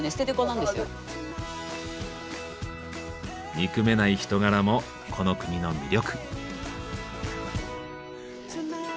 憎めない人柄もこの国の魅力。